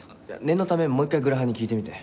念のためもう一回グラハンに聞いてみて。